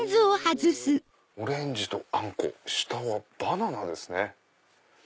オレンジとあんこ下はバナナですね。